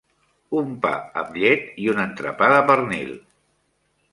Un pa amb llet i un entrepà de pernil.